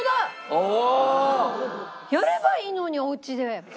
やればいいのにおうちで。